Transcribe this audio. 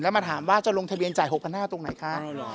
แล้วมาถามว่าจะลงทะเบียนจ่ายหกพันหน้าตรงไหนค่ะอ๋อหรอ